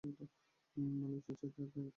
মানুষ যা চায় তাদেরকে তাই দাও না?